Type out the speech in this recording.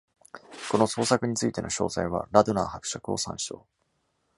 この創作についての詳細は、「ラドナー伯爵」を参照。